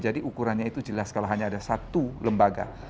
jadi ukurannya itu jelas kalau hanya ada satu lembaga